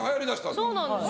そうなんですよ。